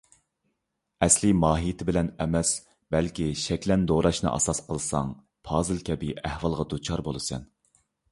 ئەسلىي ماھىيتى بىلەن ئەمەس، بەلكى شەكلەن دوراشنى ئاساس قىلساڭ، پازىل كەبى ئەھۋالغا دۇچار بولىسەن.